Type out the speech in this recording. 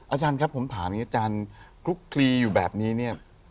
อาจารย์ครับผมถามอาจารย์คลุกคลีอยู่แบบนี้